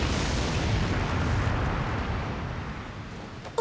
あ。